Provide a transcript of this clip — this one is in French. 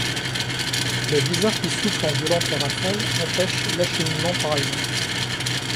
Le blizzard qui souffle en violentes rafales empêche l'acheminement par avion.